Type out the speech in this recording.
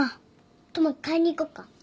友樹買いに行こっか。